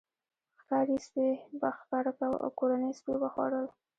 ښکاري سپي به ښکار کاوه او کورني سپي به خوړل.